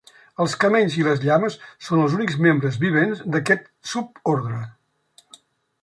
Els camells i les llames són els únics membres vivents d'aquest subordre.